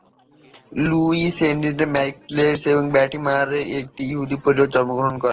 Luis Witten মেরিল্যান্ডের বাল্টিমোরে একটি ইহুদি পরিবারে জন্মগ্রহণ করেন।